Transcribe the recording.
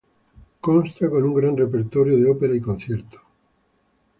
Consta con un gran repertorio de ópera y concierto.